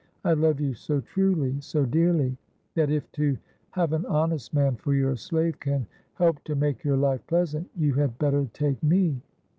I love you so truly, so dearly, that, if to have an honest man for your slave can help to make your life pleasant, you had better take me.